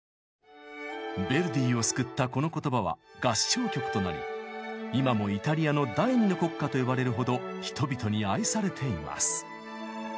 ヴェルディを救ったこの言葉は合唱曲となり今もイタリアの第二の国歌と呼ばれるほど人々に愛されています。